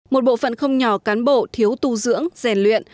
một bộ phận không nhỏ cán bộ thiếu tu dưỡng rèn luyện